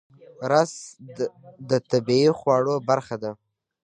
رس د طبیعي خواړو برخه ده